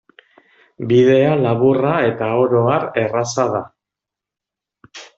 Bidea laburra eta oro har erraza da.